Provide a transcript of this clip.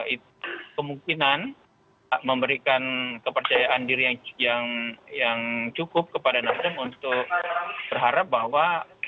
itu kemungkinan memberikan kepercayaan diri yang cukup kepada nasdem untuk berharap bahwa